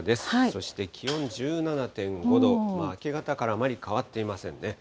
そして気温１７．５度、明け方からあまり変わっていませんね。